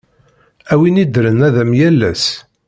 A win iddren ad am-yales!